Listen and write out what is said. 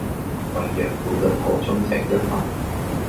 胃藥每六個鐘食一粒